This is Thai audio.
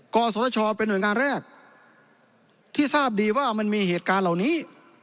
กศชเป็นหน่วยงานแรกที่ทราบดีว่ามันมีเหตุการณ์เหล่านี้